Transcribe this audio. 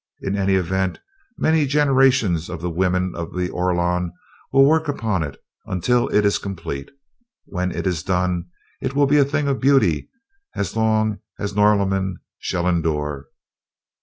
In any event, many generations of the women of the Orlon will work upon it until it is complete. When it is done, it will be a thing of beauty as long as Norlamin shall endure."